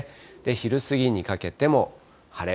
昼過ぎにかけても晴れ。